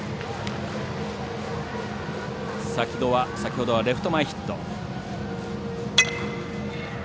先ほどはレフト前ヒット。